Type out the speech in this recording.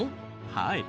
はい。